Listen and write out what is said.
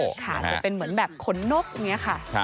จะเป็นเหมือนแบบขนโน๊กเนี่ย